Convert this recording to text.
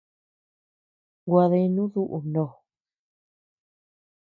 Gua deanu duʼu ndo.